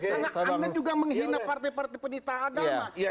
karena anda juga menghina partai partai penyita agama